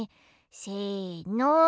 せの。